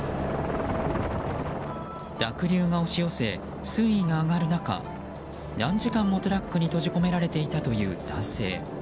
濁流が押し寄せ、水位が上がる中何時間もトラックに閉じ込められていたという男性。